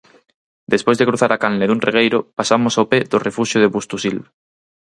Despois de cruzar a canle dun regueiro pasamos ao pé do refuxio de Bustusil.